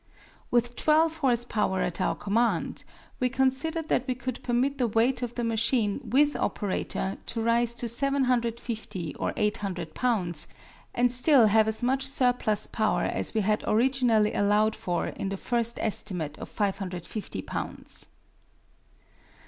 With 12 horse power at our command, we considered that we could permit the weight of the machine with operator to rise to 750 or 800 pounds, and still have as much surplus power as we had originally allowed for in the first estimate of 550 pounds.